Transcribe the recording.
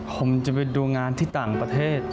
ผมจะไปดูงานที่ต่างประเทศ